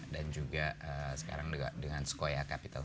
dan juga sekarang dengan sequoia capital